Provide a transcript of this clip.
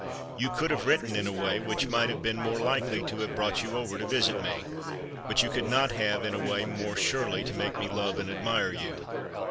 You could have written in a way which might have been more likely to have brought you over to visit me, but you could not have in a way more surely to make me love and admire you.